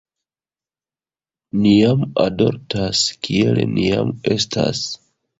"Ni jam adoltas kiel ni jam estas."